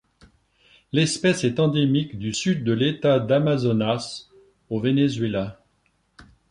L'espèce est endémique du sud de l'État d'Amazonas au Venezuela.